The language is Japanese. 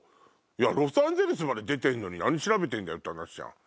ロサンゼルスまで出てるのに何調べてるだよって話じゃん。